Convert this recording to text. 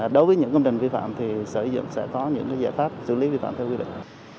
đối với những công trình vi phạm thì sở dựng sẽ có những giải pháp xử lý vi phạm theo quy định